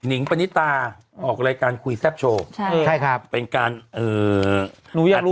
งปณิตาออกรายการคุยแซ่บโชว์ใช่ใช่ครับเป็นการเอ่อหนูอยากรู้